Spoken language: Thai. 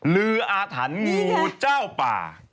ลืออดทันงูเจ้าป่า